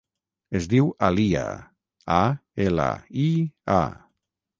Es diu Alia: a, ela, i, a.